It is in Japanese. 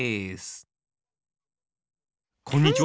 こんにちは！